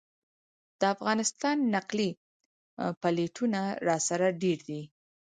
د افغانستان نقلي پلېټونه راسره ډېر دي.